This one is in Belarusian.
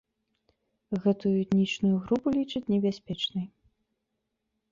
Гэтую этнічную групу лічаць небяспечнай.